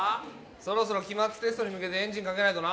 そろそろ期末テストに向けてエンジンかけないとな